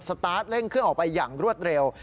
สตาร์ทเร่งเครื่องออกไปอย่างรวดเร็ว